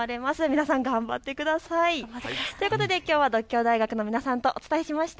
皆さん頑張ってください。ということできょうは獨協大学の皆さんとお伝えしました。